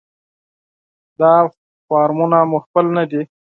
دا فورمونه مو خپل نه دي.